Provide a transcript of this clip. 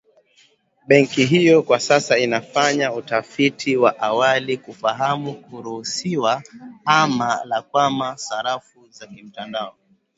Benki hiyo kwa sasa inafanya utafiti wa awali kufahamu kuruhusiwa ama la kwa sarafu za kimtandao